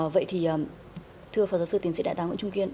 vậy thì thưa phó giáo sư tiến sĩ đại tá nguyễn trung kiên